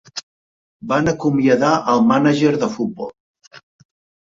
Van acomiadar al mànager de futbol.